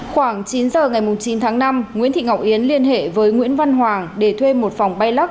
khoảng chín giờ ngày chín tháng năm nguyễn thị ngọc yến liên hệ với nguyễn văn hoàng để thuê một phòng bay lắc